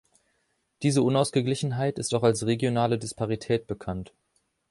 Diese Unausgeglichenheit ist auch als regionale Disparität bekannt.